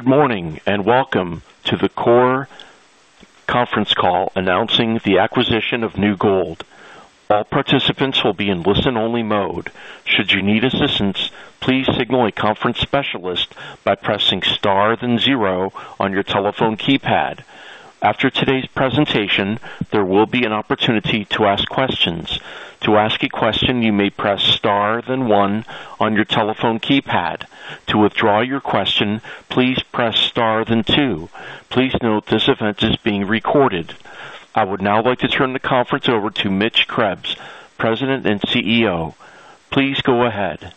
Good morning and welcome to the Coeur conference call announcing the acquisition of New Gold. All participants will be in listen-only mode. Should you need assistance, please signal a conference specialist by pressing star then zero on your telephone keypad. After today's presentation, there will be an opportunity to ask questions. To ask a question, you may press star then one on your telephone keypad. To withdraw your question, please press star then two. Please note this event is being recorded. I would now like to turn the conference over to Mitch Krebs, President and CEO. Please go ahead.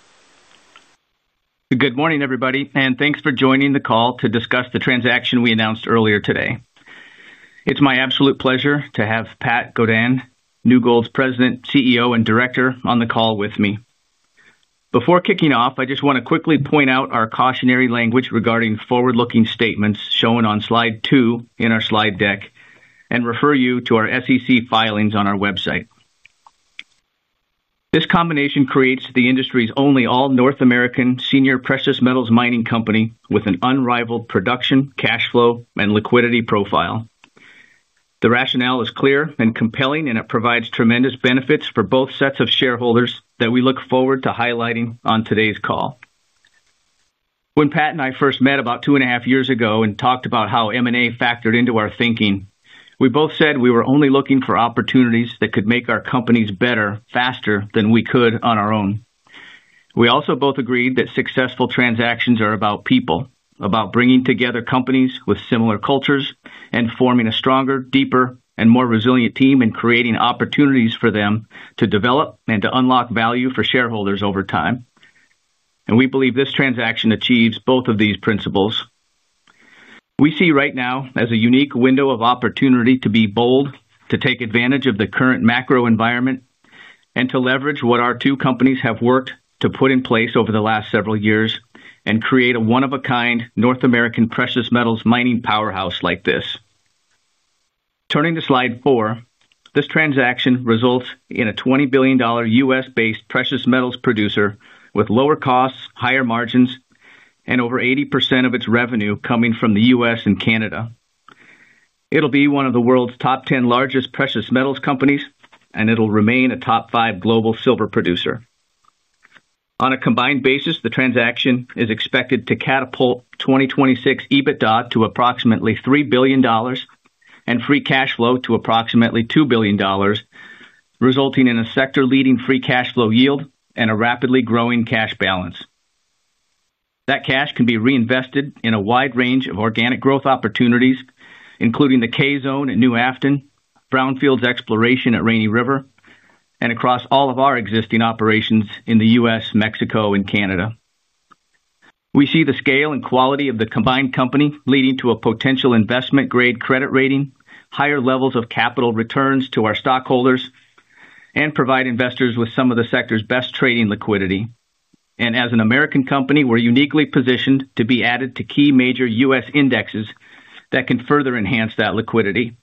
Good morning, everybody, and thanks for joining the call to discuss the transaction we announced earlier today. It's my absolute pleasure to have Pat Godin, New Gold's President, CEO, and Director, on the call with me. Before kicking off, I just want to quickly point out our cautionary language regarding forward-looking statements shown on slide two in our slide deck and refer you to our SEC filings on our website. This combination creates the industry's only all-North American senior precious metals mining company with an unrivaled production, cash flow, and liquidity profile. The rationale is clear and compelling, and it provides tremendous benefits for both sets of shareholders that we look forward to highlighting on today's call. When Pat and I first met about two and a half years ago and talked about how M&A factored into our thinking, we both said we were only looking for opportunities that could make our companies better faster than we could on our own. We also both agreed that successful transactions are about people, about bringing together companies with similar cultures and forming a stronger, deeper, and more resilient team and creating opportunities for them to develop and to unlock value for shareholders over time. We believe this transaction achieves both of these principles. We see right now as a unique window of opportunity to be bold, to take advantage of the current macro environment, and to leverage what our two companies have worked to put in place over the last several years and create a one-of-a-kind North American precious metals mining powerhouse like this. Turning to slide four, this transaction results in a $20 billion U.S.-based precious metals producer with lower costs, higher margins, and over 80% of its revenue coming from the U.S. and Canada. It'll be one of the world's top 10 largest precious metals companies, and it'll remain a top five global silver producer. On a combined basis, the transaction is expected to catapult 2026 EBITDA to approximately $3 billion and free cash flow to approximately $2 billion, resulting in a sector-leading free cash flow yield and a rapidly growing cash balance. That cash can be reinvested in a wide range of organic growth opportunities, including the K Zone at New Afton, Brownfields exploration at Rainy River, and across all of our existing operations in the U.S., Mexico, and Canada. We see the scale and quality of the combined company leading to a potential investment-grade credit rating, higher levels of capital returns to our stockholders, and provide investors with some of the sector's best trading liquidity. As an American company, we're uniquely positioned to be added to key major U.S. indexes that can further enhance that liquidity.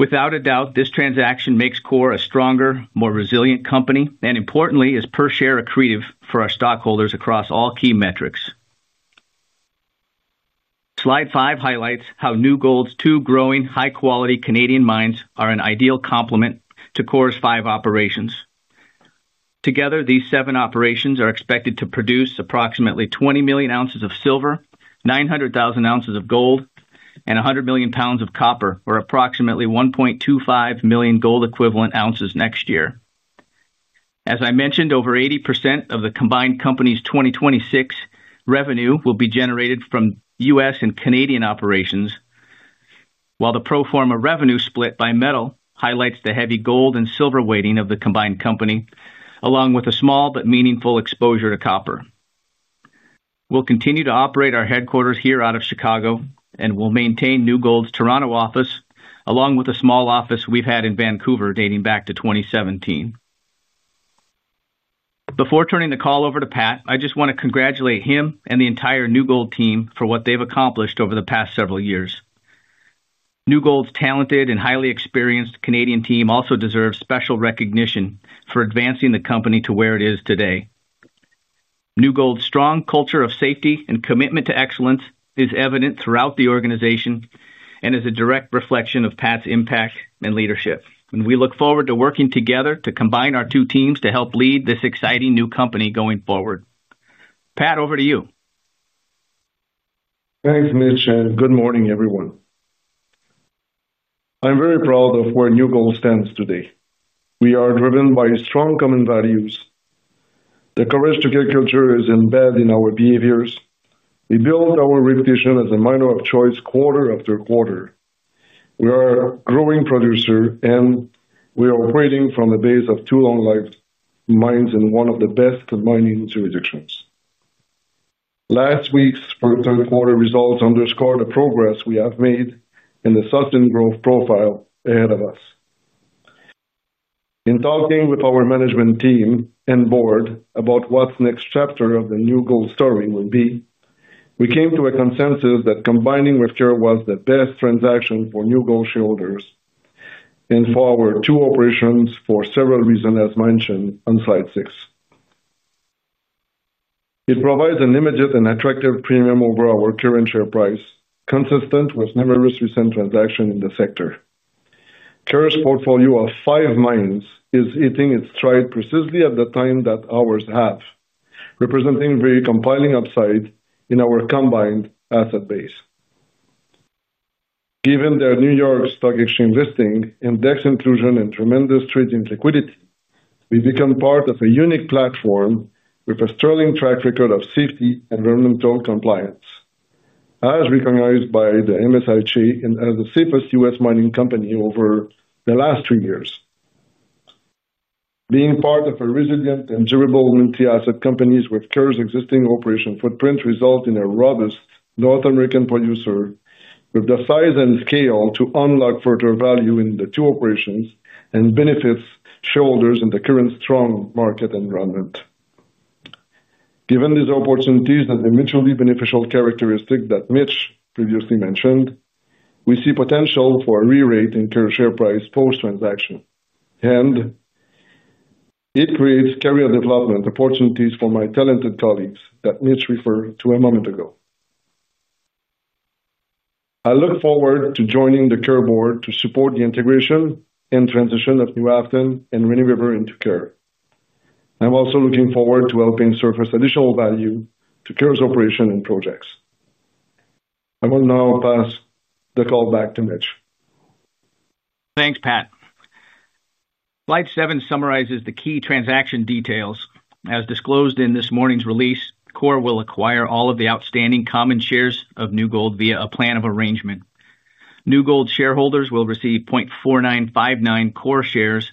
Without a doubt, this transaction makes Coeur a stronger, more resilient company, and importantly, is per share accretive for our stockholders across all key metrics. Slide five highlights how New Gold's two growing, high-quality Canadian mines are an ideal complement to Coeur's five operations. Together, these seven operations are expected to produce approximately 20 million ounces of silver, 900,000 ounces of gold, and 100 million lbs of copper, or approximately 1.25 million gold-equivalent ounces next year. As I mentioned, over 80% of the combined company's 2026 revenue will be generated from U.S. and Canadian operations. While the pro forma revenue split by metal highlights the heavy gold and silver weighting of the combined company, along with a small but meaningful exposure to copper. We'll continue to operate our headquarters here out of Chicago, and we'll maintain New Gold's Toronto office, along with a small office we've had in Vancouver dating back to 2017. Before turning the call over to Pat, I just want to congratulate him and the entire New Gold team for what they've accomplished over the past several years. New Gold's talented and highly experienced Canadian team also deserves special recognition for advancing the company to where it is today. New Gold's strong culture of safety and commitment to excellence is evident throughout the organization and is a direct reflection of Pat's impact and leadership. We look forward to working together to combine our two teams to help lead this exciting new company going forward. Pat, over to you. Thanks, Mitch, and good morning, everyone. I'm very proud of where New Gold stands today. We are driven by strong common values. The courage to care culture is embedded in our behaviors. We build our reputation as a miner of choice quarter after quarter. We are a growing producer, and we are operating from the base of two long-life mines in one of the best mining jurisdictions. Last week's third-quarter results underscored the progress we have made and the sustained growth profile ahead of us. In talking with our management team and board about what the next chapter of the New Gold story will be, we came to a consensus that combining with Coeur was the best transaction for New Gold shareholders. For our two operations, for several reasons, as mentioned on slide six. It provides an immediate and attractive premium over our current share price, consistent with numerous recent transactions in the sector. Coeur's portfolio of five mines is hitting its stride precisely at the time that ours has, representing very compelling upside in our combined asset base. Given their New York Stock Exchange listing, index inclusion, and tremendous trading liquidity, we become part of a unique platform with a sterling track record of safety and environmental compliance, as recognized by the MSIC and as the safest U.S. mining company over the last three years. Being part of a resilient and durable multi-asset company with Coeur's existing operation footprint results in a robust North American producer with the size and scale to unlock further value in the two operations and benefits shareholders in the current strong market environment. Given these opportunities and the mutually beneficial characteristics that Mitch previously mentioned, we see potential for a re-rating of Coeur share price post-transaction. It creates career development opportunities for my talented colleagues that Mitch referred to a moment ago. I look forward to joining the Coeur board to support the integration and transition of New Afton and Rainy River into Coeur. I'm also looking forward to helping surface additional value to Coeur's operation and projects. I will now pass the call back to Mitch. Thanks, Pat. Slide seven summarizes the key transaction details. As disclosed in this morning's release, Coeur will acquire all of the outstanding common shares of New Gold via a plan of arrangement. New Gold shareholders will receive 0.4959 Coeur shares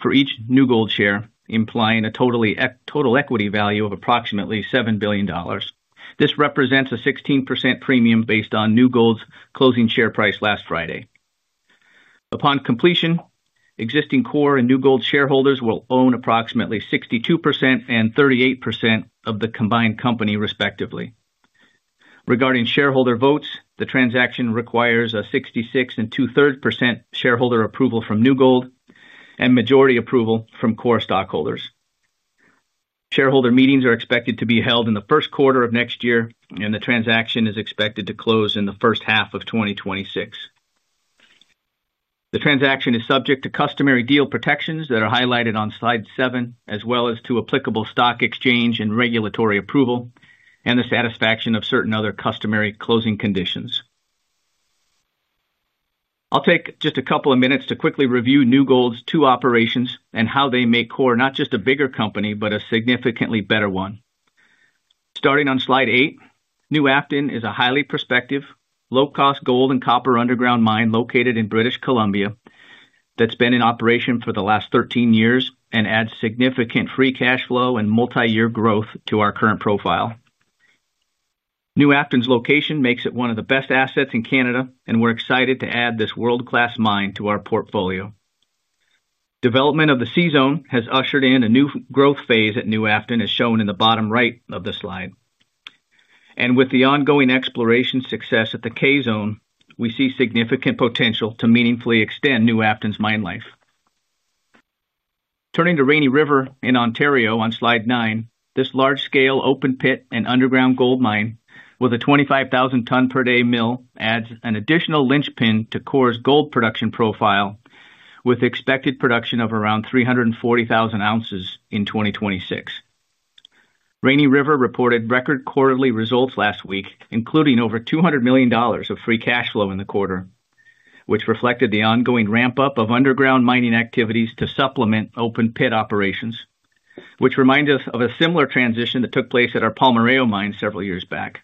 for each New Gold share, implying a total equity value of approximately $7 billion. This represents a 16% premium based on New Gold's closing share price last Friday. Upon completion, existing Coeur and New Gold shareholders will own approximately 62% and 38% of the combined company, respectively. Regarding shareholder votes, the transaction requires a 66% and 2/3% shareholder approval from New Gold and majority approval from Coeur stockholders. Shareholder meetings are expected to be held in the first quarter of next year, and the transaction is expected to close in the first half of 2026. The transaction is subject to customary deal protections that are highlighted on slide seven, as well as to applicable stock exchange and regulatory approval, and the satisfaction of certain other customary closing conditions. I'll take just a couple of minutes to quickly review New Gold's two operations and how they make Coeur not just a bigger company, but a significantly better one. Starting on slide eight, New Afton is a highly prospective, low-cost gold and copper underground mine located in British Columbia that's been in operation for the last 13 years and adds significant free cash flow and multi-year growth to our current profile. New Afton's location makes it one of the best assets in Canada, and we're excited to add this world-class mine to our portfolio. Development of the C Zone has ushered in a new growth phase at New Afton, as shown in the bottom right of the slide. With the ongoing exploration success at the K Zone, we see significant potential to meaningfully extend New Afton's mine life. Turning to Rainy River in Ontario on slide nine, this large-scale open-pit and underground gold mine with a 25,000 ton per day mill adds an additional linchpin to Coeur's gold production profile, with expected production of around 340,000 ounces in 2026. Rainy River reported record quarterly results last week, including over $200 million of free cash flow in the quarter, which reflected the ongoing ramp-up of underground mining activities to supplement open-pit operations, which reminds us of a similar transition that took place at our Palmarejo Mine several years back.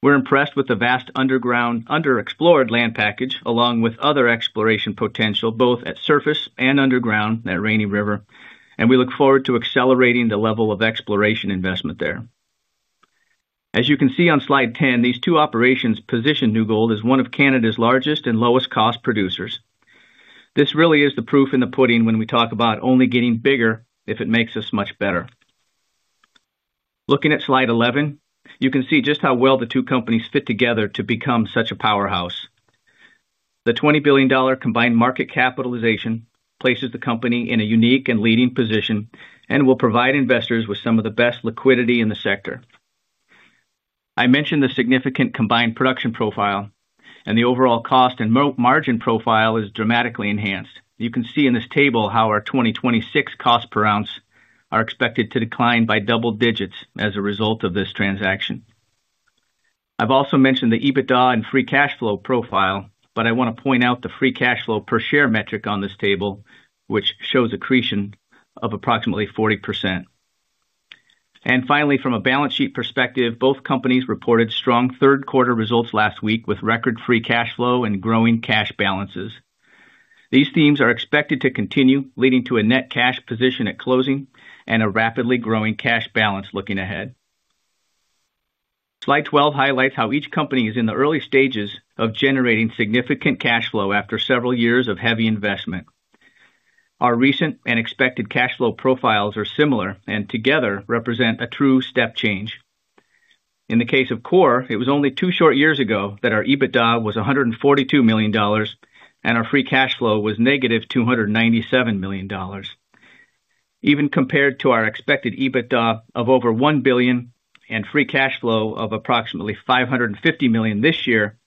We're impressed with the vast underground underexplored land package, along with other exploration potential both at surface and underground at Rainy River, and we look forward to accelerating the level of exploration investment there. As you can see on slide 10, these two operations position New Gold as one of Canada's largest and lowest-cost producers. This really is the proof in the pudding when we talk about only getting bigger if it makes us much better. Looking at slide 11, you can see just how well the two companies fit together to become such a powerhouse. The $20 billion combined market capitalization places the company in a unique and leading position and will provide investors with some of the best liquidity in the sector. I mentioned the significant combined production profile, and the overall cost and margin profile is dramatically enhanced. You can see in this table how our 2026 cost per ounce are expected to decline by double digits as a result of this transaction. I have also mentioned the EBITDA and free cash flow profile, but I want to point out the free cash flow per share metric on this table, which shows accretion of approximately 40%. Finally, from a balance sheet perspective, both companies reported strong third-quarter results last week with record free cash flow and growing cash balances. These themes are expected to continue, leading to a net cash position at closing and a rapidly growing cash balance looking ahead. Slide 12 highlights how each company is in the early stages of generating significant cash flow after several years of heavy investment. Our recent and expected cash flow profiles are similar and together represent a true step change. In the case of Coeur, it was only two short years ago that our EBITDA was $142 million, and our free cash flow was -$297 million. Even compared to our expected EBITDA of over $1 billion and free cash flow of approximately $550 million this year,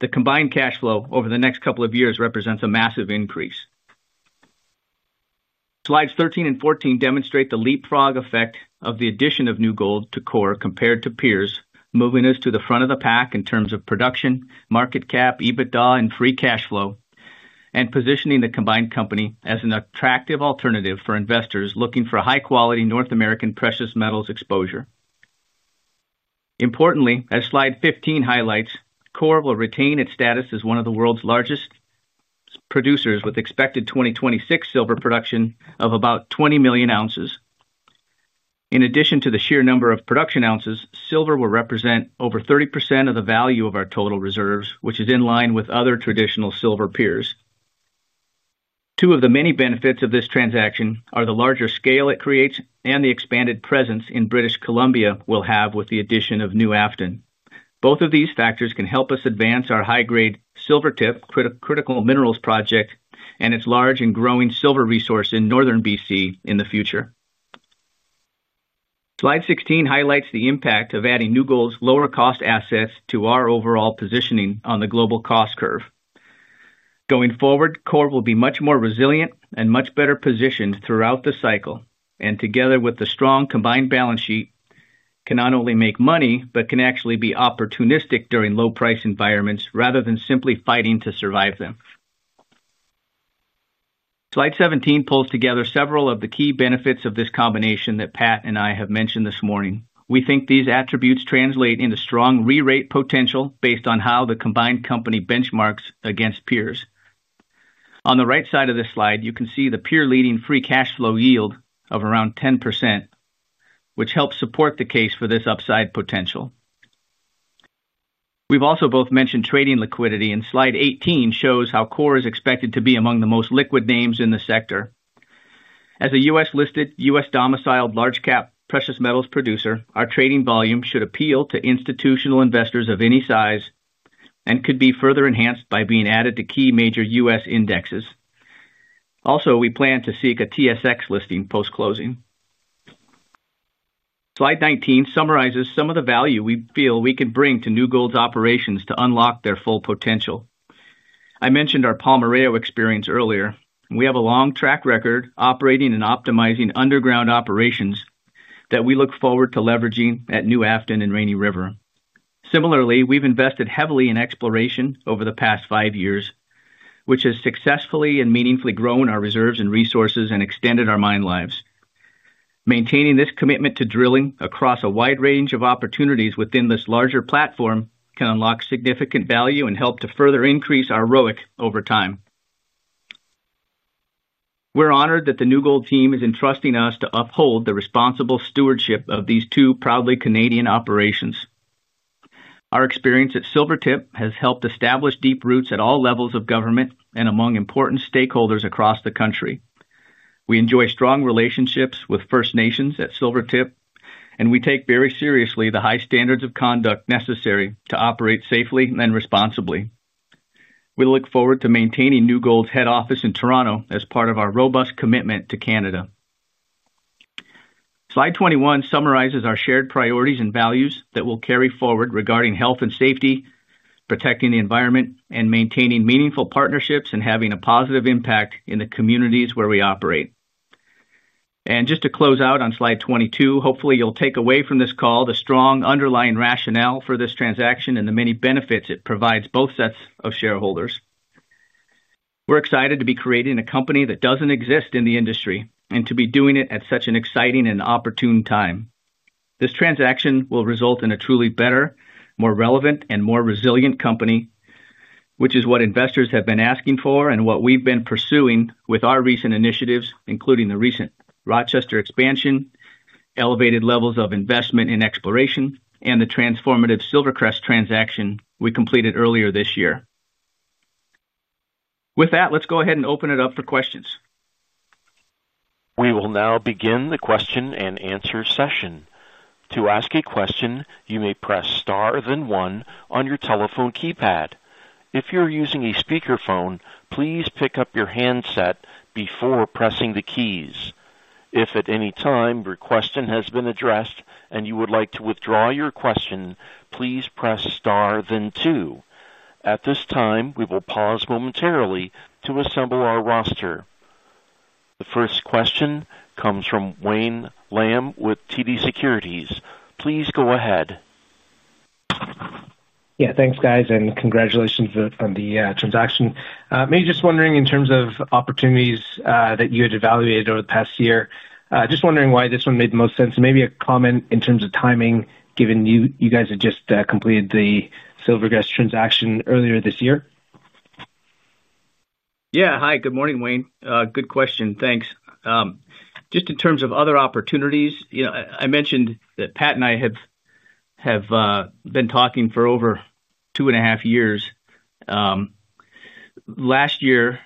the combined cash flow over the next couple of years represents a massive increase. Slides 13 and 14 demonstrate the leapfrog effect of the addition of New Gold to Coeur compared to peers, moving us to the front of the pack in terms of production, market cap, EBITDA, and free cash flow, and positioning the combined company as an attractive alternative for investors looking for high-quality North American precious metals exposure. Importantly, as slide 15 highlights, Coeur will retain its status as one of the world's largest producers, with expected 2026 silver production of about 20 million ounces. In addition to the sheer number of production ounces, silver will represent over 30% of the value of our total reserves, which is in line with other traditional silver peers. Two of the many benefits of this transaction are the larger scale it creates and the expanded presence in British Columbia we will have with the addition of New Afton. Both of these factors can help us advance our high-grade Silvertip critical minerals project and its large and growing silver resource in northern B.C. in the future. Slide 16 highlights the impact of adding New Gold's lower-cost assets to our overall positioning on the global cost curve. Going forward, Coeur will be much more resilient and much better positioned throughout the cycle, and together with the strong combined balance sheet, can not only make money but can actually be opportunistic during low-price environments rather than simply fighting to survive them. Slide 17 pulls together several of the key benefits of this combination that Pat and I have mentioned this morning. We think these attributes translate into strong re-rate potential based on how the combined company benchmarks against peers. On the right side of this slide, you can see the peer-leading free cash flow yield of around 10%, which helps support the case for this upside potential. We've also both mentioned trading liquidity, and slide 18 shows how Coeur is expected to be among the most liquid names in the sector. As a U.S.-listed, U.S.-domiciled large-cap precious metals producer, our trading volume should appeal to institutional investors of any size and could be further enhanced by being added to key major U.S. indexes. Also, we plan to seek a TSX listing post-closing. Slide 19 summarizes some of the value we feel we can bring to New Gold's operations to unlock their full potential. I mentioned our Palmarejo experience earlier. We have a long track record operating and optimizing underground operations that we look forward to leveraging at New Afton and Rainy River. Similarly, we've invested heavily in exploration over the past five years, which has successfully and meaningfully grown our reserves and resources and extended our mine lives. Maintaining this commitment to drilling across a wide range of opportunities within this larger platform can unlock significant value and help to further increase our ROIC over time. We're honored that the New Gold team is entrusting us to uphold the responsible stewardship of these two proudly Canadian operations. Our experience at Silvertip has helped establish deep roots at all levels of government and among important stakeholders across the country. We enjoy strong relationships with First Nations at Silvertip, and we take very seriously the high standards of conduct necessary to operate safely and responsibly. We look forward to maintaining New Gold's head office in Toronto as part of our robust commitment to Canada. Slide 21 summarizes our shared priorities and values that we'll carry forward regarding health and safety, protecting the environment, and maintaining meaningful partnerships and having a positive impact in the communities where we operate. Just to close out on slide 22, hopefully you'll take away from this call the strong underlying rationale for this transaction and the many benefits it provides both sets of shareholders. We're excited to be creating a company that doesn't exist in the industry and to be doing it at such an exciting and opportune time. This transaction will result in a truly better, more relevant, and more resilient company, which is what investors have been asking for and what we've been pursuing with our recent initiatives, including the recent Rochester expansion, elevated levels of investment in exploration, and the transformative SilverCrest transaction we completed earlier this year. With that, let's go ahead and open it up for questions. We will now begin the question and answer session. To ask a question, you may press star then one on your telephone keypad. If you're using a speakerphone, please pick up your handset before pressing the keys. If at any time your question has been addressed and you would like to withdraw your question, please press star then two. At this time, we will pause momentarily to assemble our roster. The first question comes from Wayne Lam with TD Securities. Please go ahead. Yeah, thanks, guys, and congratulations on the transaction. Maybe just wondering in terms of opportunities that you had evaluated over the past year, just wondering why this one made the most sense. Maybe a comment in terms of timing, given you guys had just completed the SilverCrest transaction earlier this year. Yeah, hi, good morning, Wayne. Good question, thanks. Just in terms of other opportunities, I mentioned that Pat and I have been talking for over two and a half years. Last year,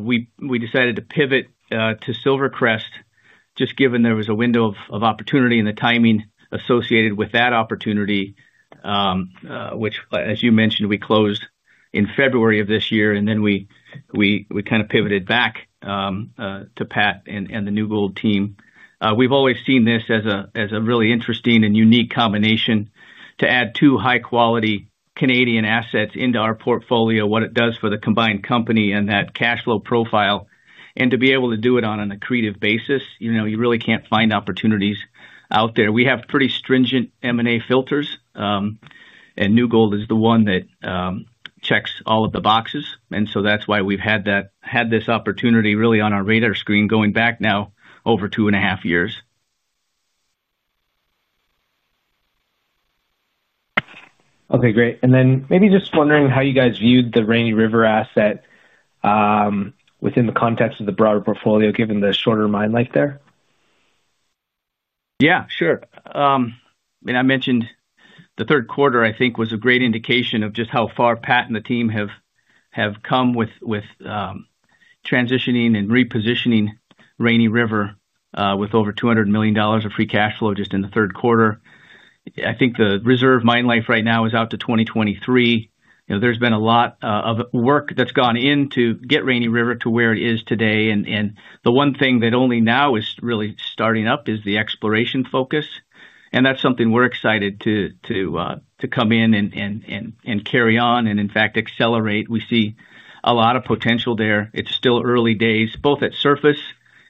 we decided to pivot to SilverCrest, just given there was a window of opportunity and the timing associated with that opportunity, which, as you mentioned, we closed in February of this year, and then we kind of pivoted back to Pat and the New Gold team. We've always seen this as a really interesting and unique combination to add two high-quality Canadian assets into our portfolio, what it does for the combined company and that cash flow profile, and to be able to do it on an accretive basis. You really can't find opportunities out there. We have pretty stringent M&A filters, and New Gold is the one that checks all of the boxes. That's why we've had this opportunity really on our radar screen going back now over two and a half years. Okay, great. Maybe just wondering how you guys viewed the Rainy River asset within the context of the broader portfolio, given the shorter mine life there. Yeah, sure. I mean, I mentioned the third quarter, I think, was a great indication of just how far Pat and the team have come with transitioning and repositioning Rainy River with over $200 million of free cash flow just in the third quarter. I think the reserve mine life right now is out to 2023. There's been a lot of work that's gone in to get Rainy River to where it is today. The one thing that only now is really starting up is the exploration focus. That's something we're excited to come in and carry on and, in fact, accelerate. We see a lot of potential there. It's still early days, both at surface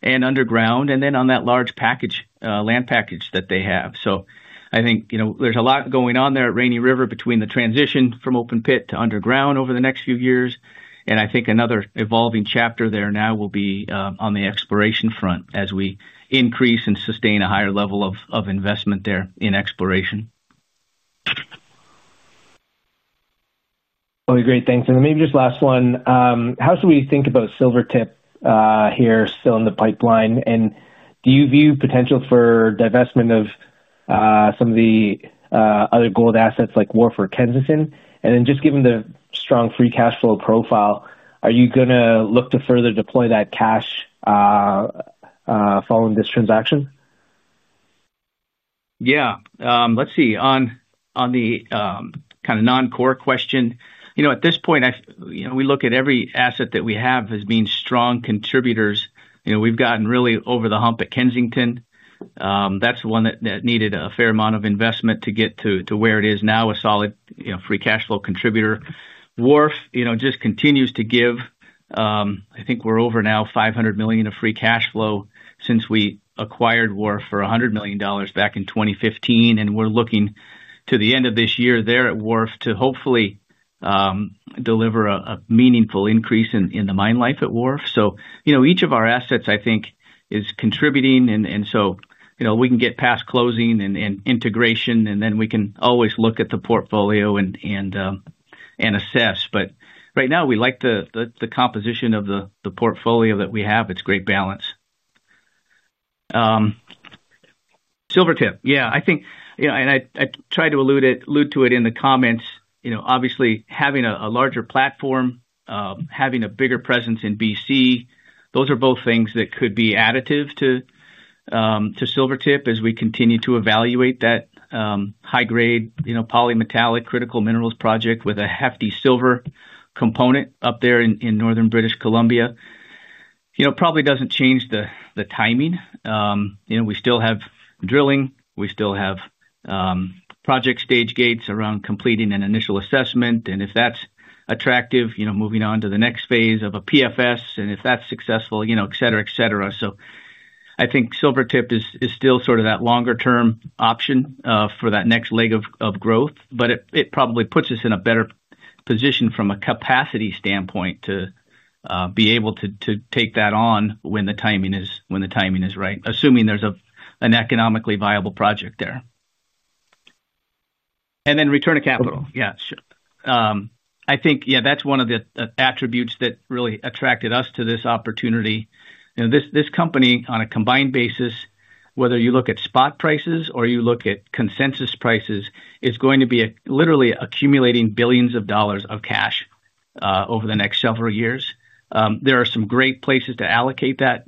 and underground, and then on that large land package that they have. I think there's a lot going on there at Rainy River between the transition from open pit to underground over the next few years. I think another evolving chapter there now will be on the exploration front as we increase and sustain a higher level of investment there in exploration. Okay, great, thanks. Maybe just last one. How should we think about Silvertip here still in the pipeline? Do you view potential for divestment of some of the other gold assets like Wharf or Kensington? Given the strong free cash flow profile, are you going to look to further deploy that cash following this transaction? Yeah, let's see. On the kind of non-core question, at this point, we look at every asset that we have as being strong contributors. We've gotten really over the hump at Kensington. That's the one that needed a fair amount of investment to get to where it is now, a solid free cash flow contributor. Wharf just continues to give. I think we're over now $500 million of free cash flow since we acquired Wharf for $100 million back in 2015. We're looking to the end of this year there at Wharf to hopefully deliver a meaningful increase in the mine life at Wharf. Each of our assets, I think, is contributing. Once we get past closing and integration, we can always look at the portfolio and assess. Right now, we like the composition of the portfolio that we have. It's great balance. Silvertip, yeah, I think, and I tried to allude to it in the comments, obviously having a larger platform, having a bigger presence in B.C, those are both things that could be additive to Silvertip as we continue to evaluate that high-grade polymetallic critical minerals project with a hefty silver component up there in northern British Columbia. Probably doesn't change the timing. We still have drilling. We still have project stage gates around completing an initial assessment. If that's attractive, moving on to the next phase of a PFS, and if that's successful, etc., etc. I think Silvertip is still sort of that longer-term option for that next leg of growth. It probably puts us in a better position from a capacity standpoint to be able to take that on when the timing is right, assuming there's an economically viable project there. Return to capital, yeah, sure. I think, yeah, that's one of the attributes that really attracted us to this opportunity. This company, on a combined basis, whether you look at spot prices or you look at consensus prices, is going to be literally accumulating billions of dollars of cash over the next several years. There are some great places to allocate that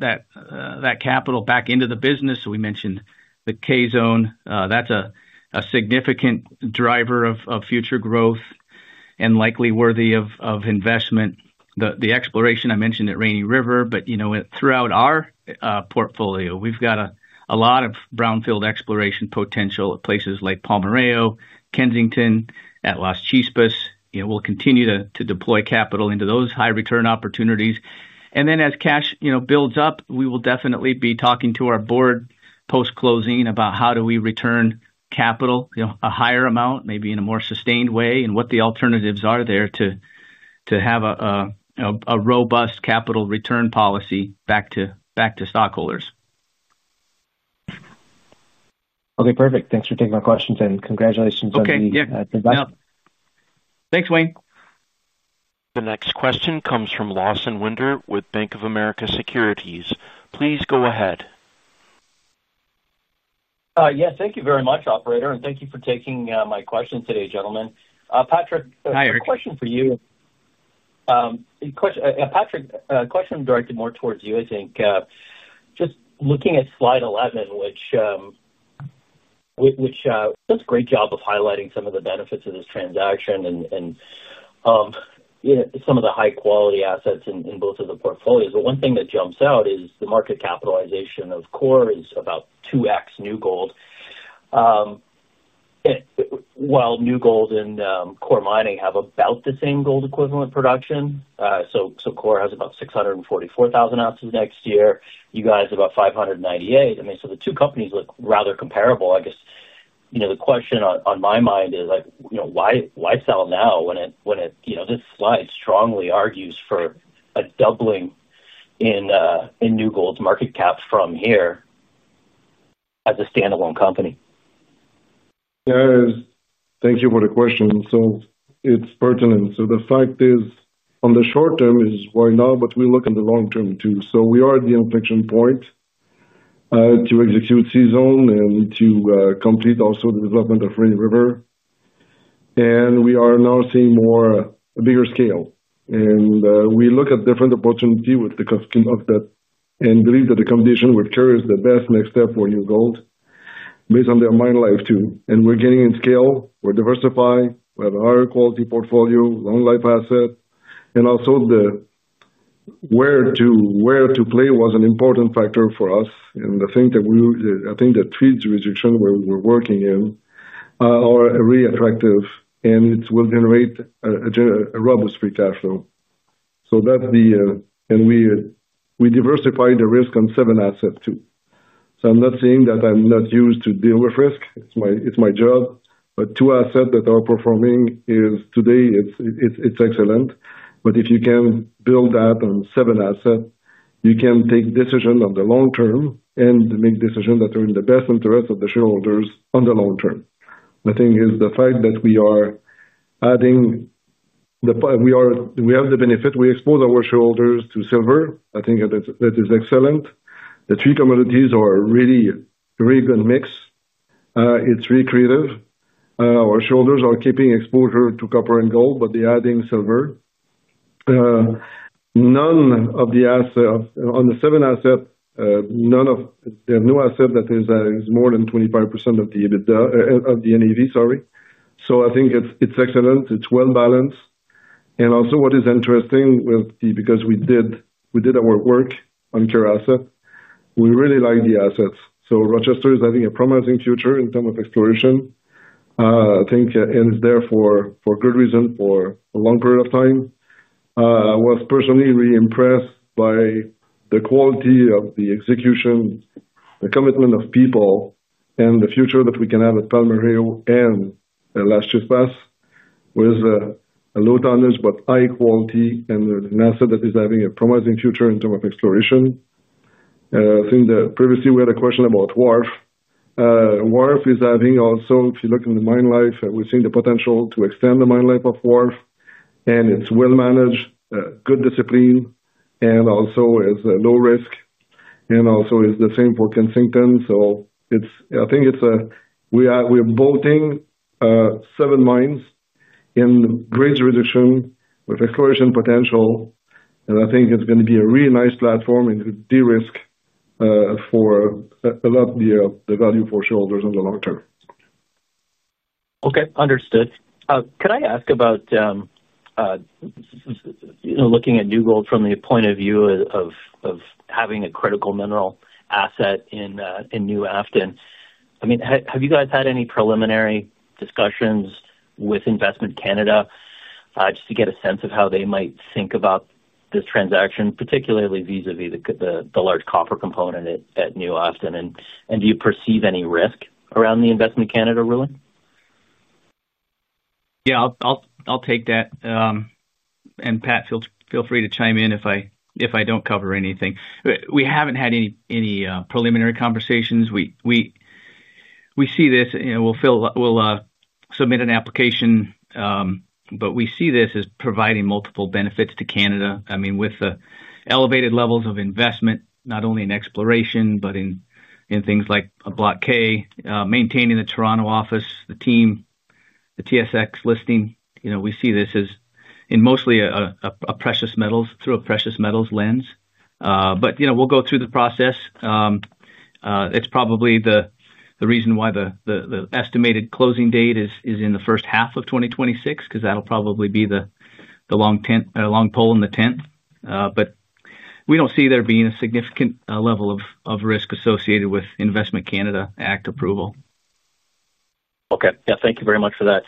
capital back into the business. We mentioned the K Zone. That's a significant driver of future growth and likely worthy of investment. The exploration I mentioned at Rainy River, but throughout our portfolio, we've got a lot of brownfields exploration potential at places like Palmarejo, Kensington, at Las Chispas. We'll continue to deploy capital into those high-return opportunities. As cash builds up, we will definitely be talking to our board post-closing about how do we return capital, a higher amount, maybe in a more sustained way, and what the alternatives are there to have a robust capital return policy back to stockholders. Okay, perfect. Thanks for taking my questions and congratulations on the invite. Thanks, Wayne. The next question comes from Lawson Winder with Bank of America Securities. Please go ahead. Yes, thank you very much, operator, and thank you for taking my question today, gentlemen. Patrick, a question for you. Patrick, a question directed more towards you, I think. Just looking at slide 11, which does a great job of highlighting some of the benefits of this transaction and some of the high-quality assets in both of the portfolios. One thing that jumps out is the market capitalization of Coeur is about 2x New Gold, while New Gold and Coeur Mining have about the same gold-equivalent production. Coeur has about 644,000 ounces next year. You guys have about 598. I mean, the two companies look rather comparable. I guess the question on my mind is, why sell now when this slide strongly argues for a doubling in New Gold's market cap from here as a standalone company? Thank you for the question. It's pertinent. The fact is, on the short term, is why now, but we look in the long term too. We are at the inflection point to execute C Zone and to complete also the development of Rainy River. We are now seeing a bigger scale. We look at different opportunities with the customers and believe that the combination with Coeur is the best next step for New Gold. Based on their mine life too. We're getting in scale. We're diversified. We have a higher quality portfolio, long-life assets. Also, where to play was an important factor for us. I think that feeds the restriction where we're working in. They are really attractive, and it will generate a robust free cash flow. That's the point. We diversify the risk on seven assets too. I'm not saying that I'm not used to deal with risk. It's my job. Two assets that are performing today, it's excellent. If you can build that on seven assets, you can take decisions on the long term and make decisions that are in the best interest of the shareholders on the long term. I think the fact that we are adding, we have the benefit, we expose our shareholders to silver. I think that is excellent. The three commodities are a really good mix. It's really creative. Our shareholders are keeping exposure to copper and gold, but they're adding silver. None of the assets on the seven assets, none of the new assets is more than 25% of the NAV, sorry. I think it's excellent. It's well-balanced. Also, what is interesting, because we did our work on Coeur assets, we really like the assets. Rochester is having a promising future in terms of exploration. I think it's there for good reason for a long period of time. I was personally really impressed by the quality of the execution, the commitment of people, and the future that we can have at Palmarejo and Las Chispas with a low tonnage but high quality and an asset that is having a promising future in terms of exploration. I think that previously we had a question about Wharf. Wharf is having also, if you look in the mine life, we're seeing the potential to extend the mine life of Wharf. It's well-managed, good discipline, and also is low risk. Also, it's the same for Kensington. I think we're bolting seven mines in great reduction with exploration potential. I think it's going to be a really nice platform and de-risk for a lot of the value for shareholders on the long term. Okay, understood. Could I ask about, looking at New Gold from the point of view of having a critical mineral asset in New Afton? I mean, have you guys had any preliminary discussions with Investment Canada just to get a sense of how they might think about this transaction, particularly vis-à-vis the large copper component at New Afton? And do you perceive any risk around the Investment Canada ruling? Yeah, I'll take that. Pat, feel free to chime in if I don't cover anything. We haven't had any preliminary conversations. We see this. We'll submit an application. We see this as providing multiple benefits to Canada. I mean, with the elevated levels of investment, not only in exploration, but in things like a Block K, maintaining the Toronto office, the team, the TSX listing, we see this as in mostly a precious metals through a precious metals lens. We'll go through the process. It's probably the reason why the estimated closing date is in the first half of 2026 because that'll probably be the long pole in the tent. We don't see there being a significant level of risk associated with Investment Canada Act approval. Okay, yeah, thank you very much for that.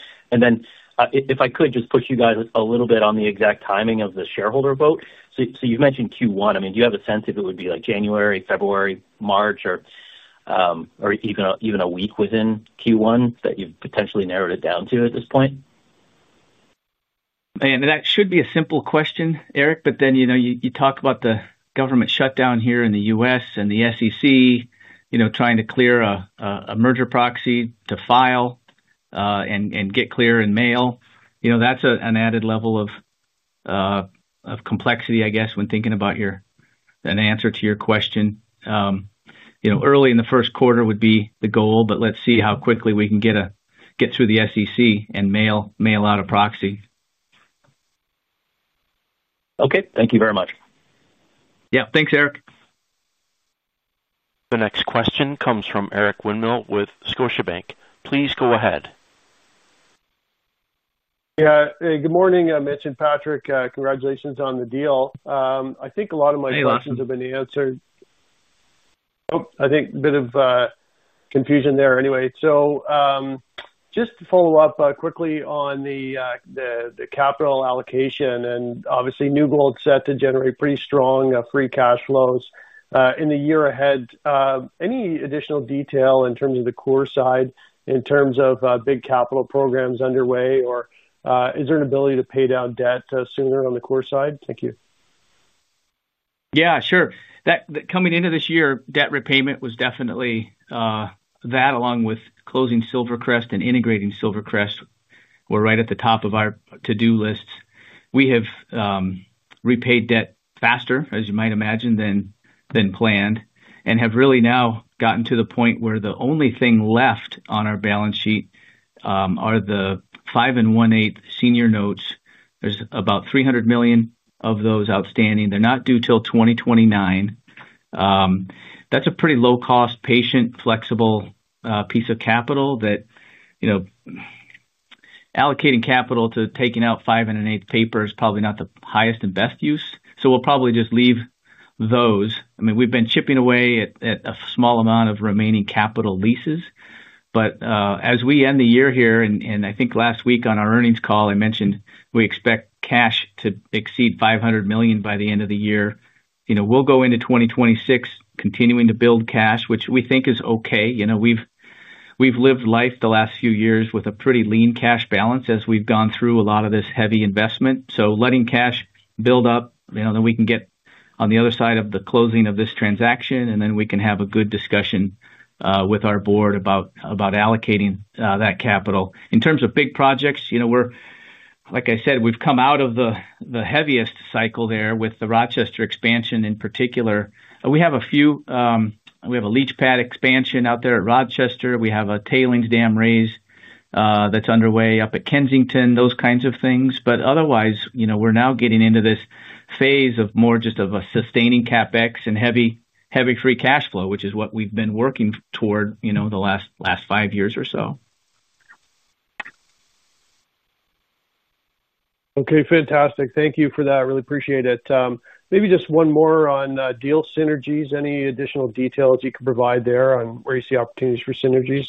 If I could just push you guys a little bit on the exact timing of the shareholder vote. You've mentioned Q1. I mean, do you have a sense if it would be like January, February, March, or even a week within Q1 that you've potentially narrowed it down to at this point? That should be a simple question, Eric, but then you talk about the government shutdown here in the U.S. and the SEC trying to clear a merger proxy to file and get clear in mail. That is an added level of complexity, I guess, when thinking about an answer to your question. Early in the first quarter would be the goal, but let's see how quickly we can get through the SEC and mail out a proxy. Okay, thank you very much. Yeah, thanks, Eric. The next question comes from Eric Winmill with Scotiabank. Please go ahead. Yeah, good morning, Mitch and Patrick. Congratulations on the deal. I think a lot of my questions have been answered. I think a bit of confusion there anyway. Just to follow up quickly on the capital allocation and obviously New Gold set to generate pretty strong free cash flows in the year ahead. Any additional detail in terms of the Coeur side in terms of big capital programs underway, or is there an ability to pay down debt sooner on the Coeur side? Thank you. Yeah, sure. Coming into this year, debt repayment was definitely. That, along with closing SilverCrest and integrating SilverCrest, were right at the top of our to-do lists. We have repaid debt faster, as you might imagine, than planned, and have really now gotten to the point where the only thing left on our balance sheet are the five and one eighth senior notes. There's about $300 million of those outstanding. They're not due till 2029. That's a pretty low-cost, patient, flexible piece of capital that allocating capital to taking out five and eighth paper is probably not the highest and best use. We'll probably just leave those. I mean, we've been chipping away at a small amount of remaining capital leases. As we end the year here, and I think last week on our earnings call, I mentioned we expect cash to exceed $500 million by the end of the year. We'll go into 2026 continuing to build cash, which we think is okay. We've lived life the last few years with a pretty lean cash balance as we've gone through a lot of this heavy investment. Letting cash build up, then we can get on the other side of the closing of this transaction, and then we can have a good discussion with our board about allocating that capital. In terms of big projects, like I said, we've come out of the heaviest cycle there with the Rochester expansion in particular. We have a few. We have a leachpad expansion out there at Rochester. We have a tailings dam raise that's underway up at Kensington, those kinds of things. Otherwise, we're now getting into this phase of more just of a sustaining CapEx and heavy free cash flow, which is what we've been working toward the last five years or so. Okay, fantastic. Thank you for that. I really appreciate it. Maybe just one more on deal synergies. Any additional details you can provide there on where you see opportunities for synergies?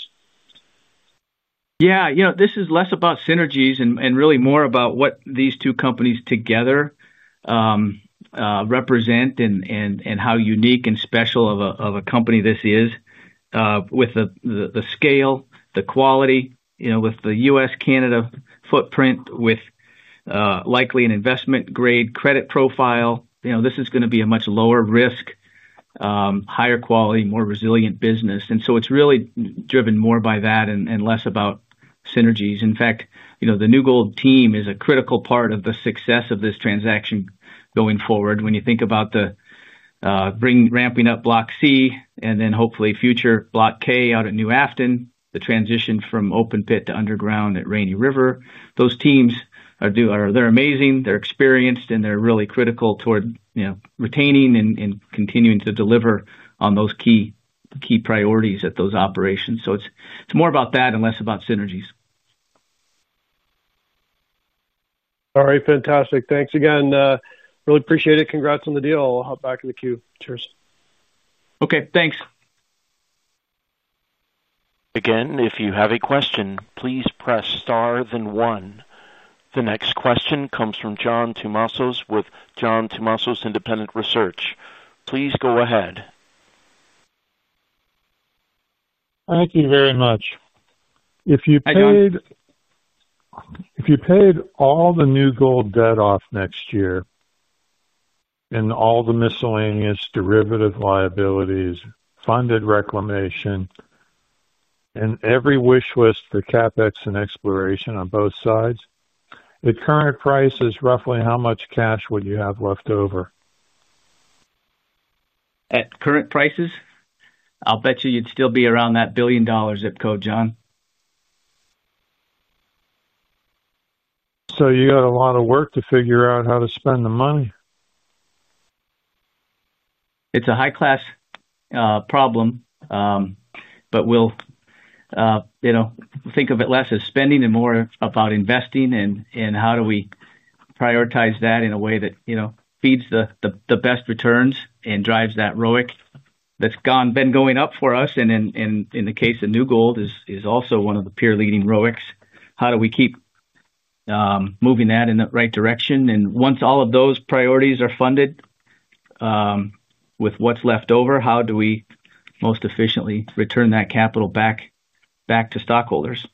Yeah, this is less about synergies and really more about what these two companies together represent and how unique and special of a company this is. With the scale, the quality, with the U.S.-Canada footprint, with likely an investment-grade credit profile. This is going to be a much lower risk, higher quality, more resilient business. It is really driven more by that and less about synergies. In fact, the New Gold team is a critical part of the success of this transaction going forward. When you think about the ramping up Block C and then hopefully future Block K out at New Afton, the transition from open pit to underground at Rainy River, those teams are amazing. They are experienced, and they are really critical toward retaining and continuing to deliver on those key priorities at those operations. It is more about that and less about synergies. All right, fantastic. Thanks again. Really appreciate it. Congrats on the deal. I'll hop back in the queue. Cheers. Okay, thanks. Again, if you have a question, please press star then one. The next question comes from John Tomazos with John Tomazos Independent Research. Please go ahead. Thank you very much. If you paid all the New Gold debt off next year, and all the miscellaneous derivative liabilities, funded reclamation, and every wish list for CapEx and exploration on both sides, at current prices, roughly how much cash would you have left over? At current prices? I'll bet you you'd still be around that billion dollar zip code, John. You got a lot of work to figure out how to spend the money. It's a high-class problem. We'll think of it less as spending and more about investing and how do we prioritize that in a way that feeds the best returns and drives that ROIC that's been going up for us. In the case of New Gold, it's also one of the peer-leading ROICs. How do we keep moving that in the right direction? Once all of those priorities are funded, with what's left over, how do we most efficiently return that capital back to stockholders?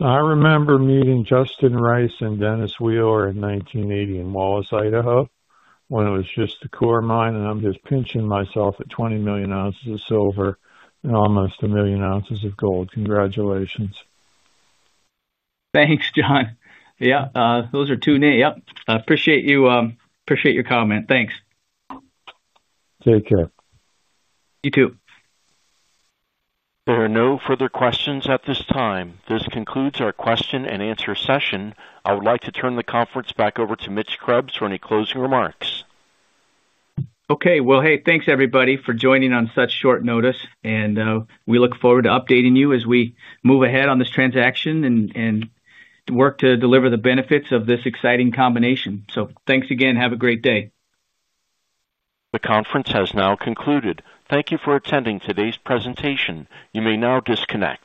I remember meeting Justin Rice and Dennis Wheeler in 1980 in Wallace, Idaho, when it was just the core mine, and I'm just pinching myself at 20 million ounces of silver and almost 1 million ounces of gold. Congratulations. Thanks, John. Yeah, those are two names. Yep. I appreciate your comment. Thanks. Take care. You too. There are no further questions at this time. This concludes our question and answer session. I would like to turn the conference back over to Mitch Krebs for any closing remarks. Okay, hey, thanks everybody for joining on such short notice. We look forward to updating you as we move ahead on this transaction and work to deliver the benefits of this exciting combination. Thanks again. Have a great day. The conference has now concluded. Thank you for attending today's presentation. You may now disconnect.